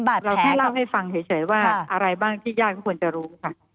เราแค่เล่าให้ฟังเฉยว่าอะไรบ้างที่ญาติก็ควรจะรู้ค่ะ